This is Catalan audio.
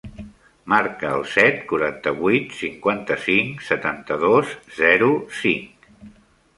Marca el set, quaranta-vuit, cinquanta-cinc, setanta-dos, zero, cinc.